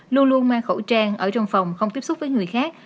luôn luôn mang khẩu trang ở trong phòng không tiếp xúc với người khác